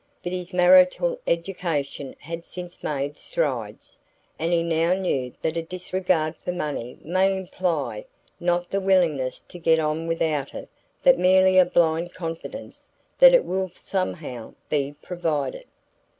But his marital education had since made strides, and he now knew that a disregard for money may imply not the willingness to get on without it but merely a blind confidence that it will somehow be provided.